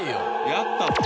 やったって。